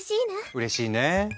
うれしいね。